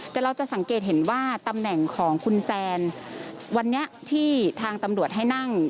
แต่เราจะสังเกตเห็นว่าตำแหน่งของคุณแซนวันนี้ที่ทางตำรวจให้นั่ง